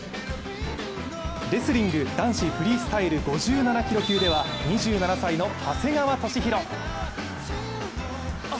レスリング男子フリースタイル５７キロ級では２７歳の長谷川敏裕。